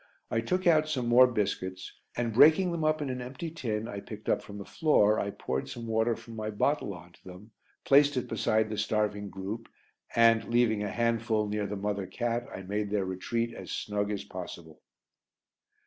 I took out some more biscuits, and breaking them up in an empty tin I picked up from the floor, I poured some water from my bottle on to them, placed it beside the starving group and, leaving a handful near the mother cat, I made their retreat as snug as possible.